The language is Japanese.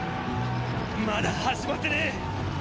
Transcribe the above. まだ始まってねェ！